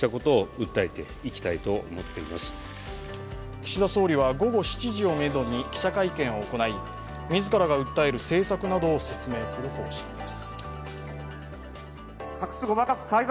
岸田総理は午後７時をめどに記者会見を行い、自らが訴える政策などを説明する方針です。